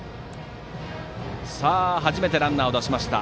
初めてランナーを出しました。